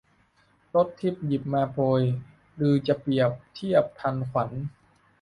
รสทิพย์หยิบมาโปรย ฤๅจะเปรียบเทียบทันขวัญ